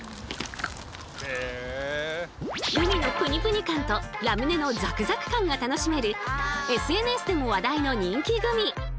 グミのプニプニ感とラムネのザクザク感が楽しめるＳＮＳでも話題の人気グミ！